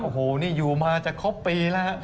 โอ้โหนี่อยู่มาจะครบปีแล้วฮะ